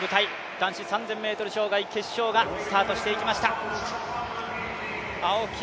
男子３０００ｍ障害決勝がスタートしていきました。